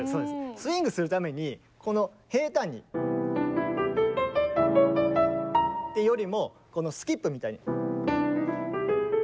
スウィングするためにこの平たんに。ってよりもこのスキップみたいに。